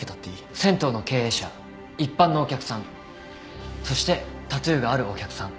銭湯の経営者一般のお客さんそしてタトゥーがあるお客さん